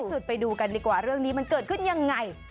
สุดไปดูกันดีกว่าเรื่องนี้มันเกิดขึ้นยังไง